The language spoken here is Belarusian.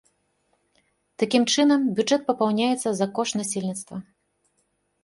Такім чынам, бюджэт папаўняецца за кошт насельніцтва.